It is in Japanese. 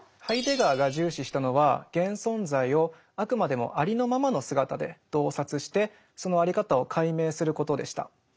ハイデガーが重視したのは現存在をあくまでもありのままの姿で洞察してそのあり方を解明することでした。